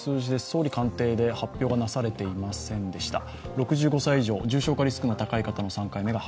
総理官邸で発表がなされていませんでした。